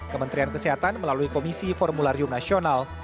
kementerian kesehatan melalui komisi formularium nasional